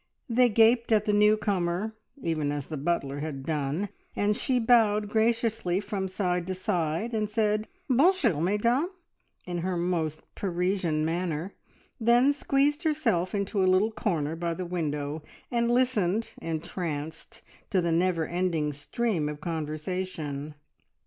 They gaped at the new comer, even as the butler had done, and she bowed graciously from side to side, and said, "Bon jour, mesdames!" in her most Parisian manner, then squeezed herself into a little corner by the window and listened entranced to the never ending stream of conversation.